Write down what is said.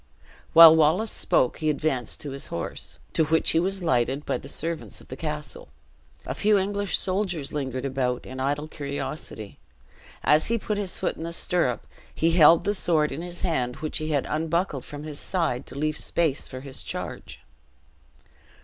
While Wallace spoke, he advanced to his horse, to which he was lighted by the servants of the castle. A few English soldiers lingered about in idle curiosity. As he put his foot in the stirrup, he held the sword in his hand, which he had unbuckled from his side to leave space for his charge.